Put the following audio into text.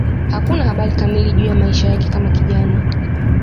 Hakuna habari kamili juu ya maisha yake kama kijana.